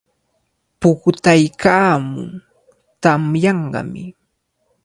Pukutaykaamun, tamyanqami.